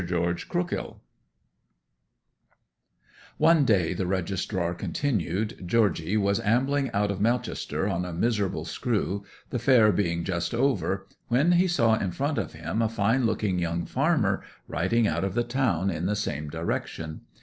GEORGE CROOKHILL 'One day,' the registrar continued, 'Georgy was ambling out of Melchester on a miserable screw, the fair being just over, when he saw in front of him a fine looking young farmer riding out of the town in the same direction.